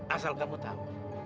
asal kamu tahu